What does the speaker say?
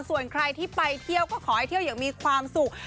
ส่วนใครที่ไปเที่ยวก็ขอให้เที่ยวอย่างมีความสุข